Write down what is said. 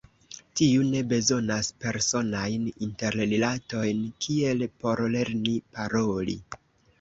Tiu ne bezonas personajn interrilatojn, kiel por lerni paroli.